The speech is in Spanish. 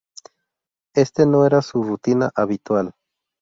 Este no era su rutina habitual.